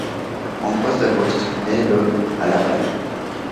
Ambroise Davost naît le à Laval.